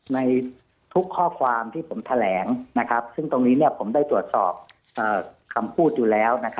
ในทุกข้อความที่ผมแถลงซึ่งตรงนี้ผมได้ตรวจสอบคำพูดอยู่แล้ว